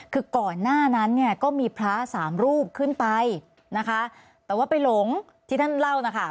คือก่อนหน้านั้นเนี่ยก็มีพระสามรูปขึ้นไปนะคะแต่ว่าไปหลงที่ท่านเล่านะคะ